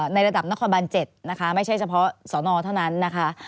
ในระดับนครบัน๗นะคะไม่ใช่เฉพาะสอนอเท่านั้นนะคะ